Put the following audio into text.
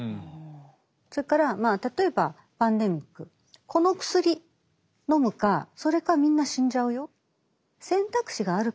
それからまあ例えばパンデミックこの薬のむかそれかみんな死んじゃうよ。